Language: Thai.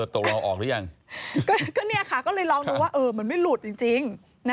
ตกลงออกหรือยังก็เลยลองดูว่ามันไม่หลุดจริง